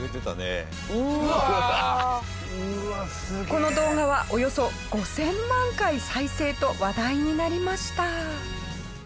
この動画はおよそ５０００万回再生と話題になりました。